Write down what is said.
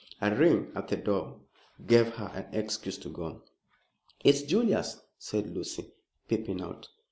A ring at the door gave her an excuse to go. "It's Julius," said Lucy, peeping out.